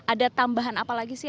ada tambahan apa lagi sih